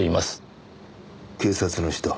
警察の人？